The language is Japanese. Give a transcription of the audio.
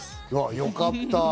よかった。